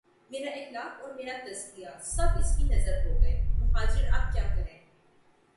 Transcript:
میرا اخلاق اور میرا تزکیہ، سب اس کی نذر ہو گئے مہاجر اب کیا کریں؟